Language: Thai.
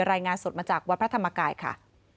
รายงานสดมาจากวัดพระธรรมกายค่ะ